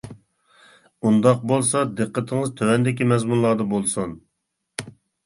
ئۇنداق بولسا دىققىتىڭىز تۆۋەندىكى مەزمۇنلاردا بولسۇن.